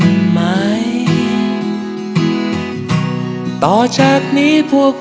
เพื่อนกับนามที่ค่ะ